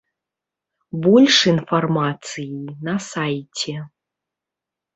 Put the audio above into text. Больш інфармацыі на сайце.